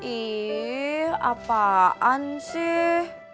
ih apaan sih